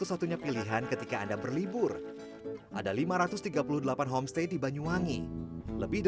udah cepet deh